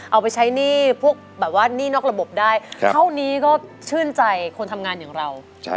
เอาไปใช้หนี้พวกแบบว่าหนี้นอกระบบได้เท่านี้ก็ชื่นใจคนทำงานอย่างเรา